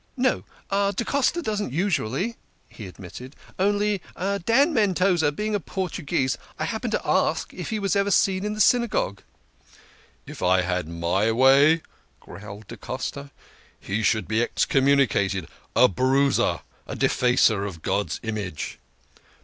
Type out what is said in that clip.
" No, da Costa doesn't usually," he admitted. " Only Dan Mendoza being a Portuguese I happened to ask if he was ever seen in the Synagogue." " If I had my way," growled da Costa, " he should be excommunicated a bruiser, a defacer of God's image